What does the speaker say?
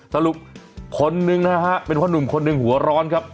สรุปคนนึงนะครับเป็นคนหนุ่มคนนึงหัวร้อนครับ